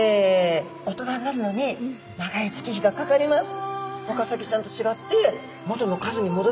大人になるのに長い月日がかかります。